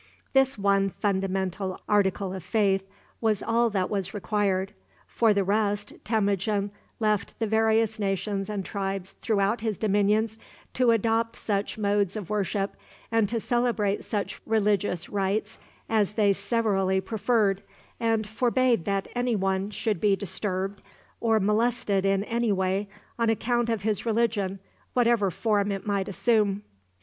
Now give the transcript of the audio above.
This one fundamental article of faith was all that was required. For the rest, Temujin left the various nations and tribes throughout his dominions to adopt such modes of worship and to celebrate such religious rites as they severally preferred, and forbade that any one should be disturbed or molested in any way on account of his religion, whatever form it might assume.